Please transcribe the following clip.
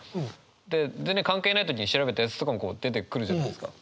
で全然関係ない時に調べたやつとかも出てくるじゃないですか。